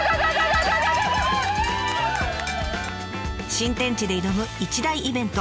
新天地で挑む一大イベント。